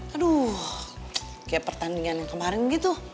aduh kayak pertandingan yang kemarin gitu